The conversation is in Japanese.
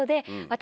私